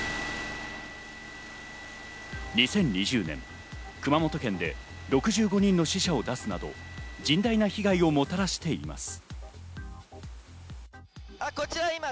２０２０年、熊本県で６５人の死者を出すなど甚大な被害をもたらしています。